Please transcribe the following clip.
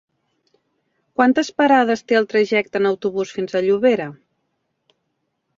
Quantes parades té el trajecte en autobús fins a Llobera?